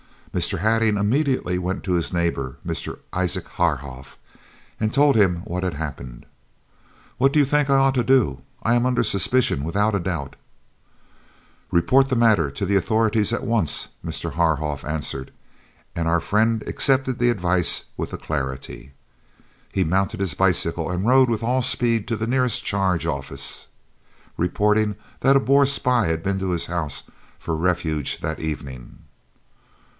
Mr. Hattingh immediately went to his neighbour, Mr. Isaac Haarhoff, and told him what had happened. "What do you think I ought to do? I am under suspicion without a doubt." "Report the matter to the authorities at once," Mr. Haarhoff answered, and our friend accepted the advice with alacrity. He mounted his bicycle and rode with all speed to the nearest Charge Office, reporting that a Boer spy had been to his house for refuge that evening.